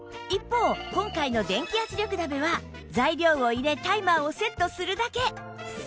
一方今回の電気圧力鍋は材料を入れタイマーをセットするだけ